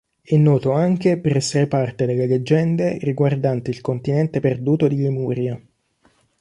È noto anche per essere parte delle leggende riguardanti il continente perduto di Lemuria